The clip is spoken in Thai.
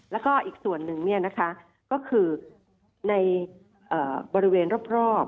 แล้วก็อีกส่วนหนึ่งก็คือในบริเวณรอบ